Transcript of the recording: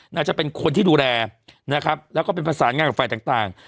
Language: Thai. น่าจะเป็นคนที่ดูแลนะครับแล้วก็เป็นประสานงานกับฝ่ายต่าง